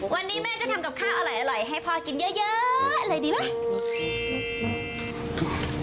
วันนี้แม่จะทำกับข้าวอร่อยให้พ่อกินเยอะอะไรดีไหม